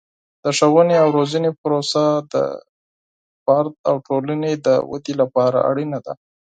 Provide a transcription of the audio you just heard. د ښوونې او روزنې پروسه د فرد او ټولنې د ودې لپاره اړینه ده.